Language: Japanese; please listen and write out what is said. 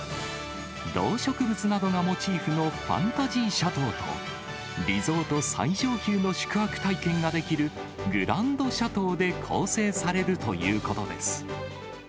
動植物などがモチーフのファンタジーシャトーと、リゾート最上級の宿泊体験ができるグランドシャトーで構成されるということです。